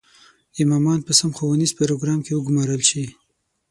امامان په سم ښوونیز پروګرام کې وګومارل شي.